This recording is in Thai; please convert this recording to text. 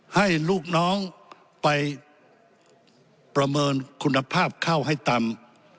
ให้ลูกน้องไปประเมินคุณภาพข้าวให้ต่ำ